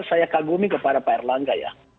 saya kagumi kepada payarlangga ya